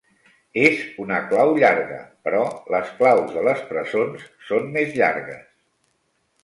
És una clau llarga, però les claus de les presons són més llargues.